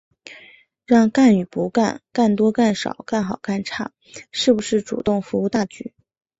让干与不干、干多干少、干好干差、是不是主动服务大局、